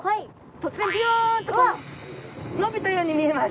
突然びょんとこう伸びたように見えます。